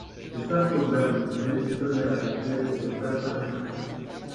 Ces symptômes d’aridité donnaient à penser au docteur Fergusson.